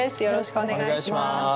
よろしくお願いします。